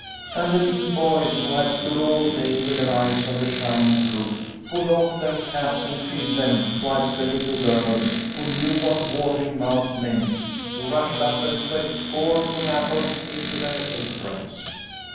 And the little boys who had stood all day with their eyes on the shining fruit, pulled off their caps and filled them, whilst the little girls, who knew what watering mouths meant, rushed up and swept scores of apples into their aprons.